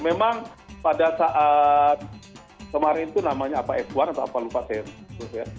memang pada saat kemarin itu namanya apa s satu atau apa lupa sensus ya